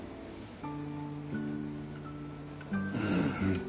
うん。